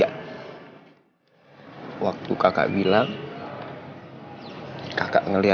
gue nanti mau jalan jalan nanti ya